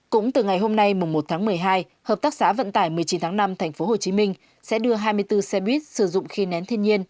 cũng từ ngày hôm nay một tháng một mươi hai hợp tác xã vận tải một mươi chín tháng năm tp hcm sẽ đưa hai mươi bốn xe buýt sử dụng khí nén thiên nhiên